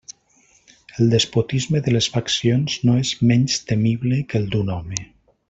El despotisme de les faccions no és menys temible que el d'un home.